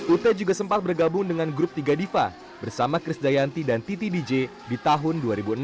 ut juga sempat bergabung dengan grup tiga diva bersama chris dayanti dan titi dj di tahun dua ribu enam